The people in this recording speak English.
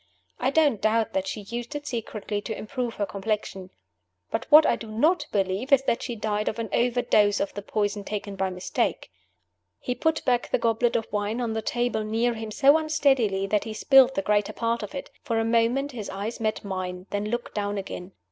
"I don't doubt that she used it secretly to improve her complexion. But w hat I do not believe is that she died of an overdose of the poison, taken by mistake." He put back the goblet of wine on the table near him so unsteadily that he spilled the greater part of it. For a moment his eyes met mine, then looked down again.